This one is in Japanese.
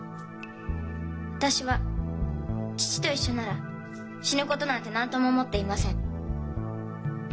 私は父と一緒なら死ぬことなんて何とも思っていません。